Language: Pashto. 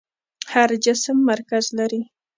هر جسم مرکز لري.